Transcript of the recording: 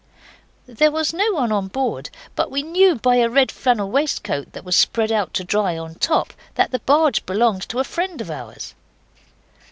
There was no one on board, but we knew by a red flannel waistcoat that was spread out to dry on top that the barge belonged to friends of ours.